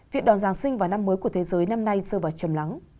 việc đòn giáng sinh vào năm mới của thế giới năm nay dơ vào chầm lắng